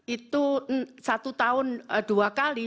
itu satu tahun dua kali